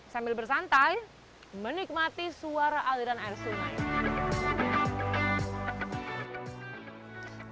sambil bersantai menikmati suara aliran air sungai